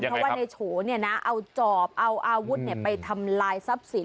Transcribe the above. เพราะว่าในโฉเนี่ยนะเอาจอบเอาอาวุธเนี่ยไปทำลายทรัพย์สิน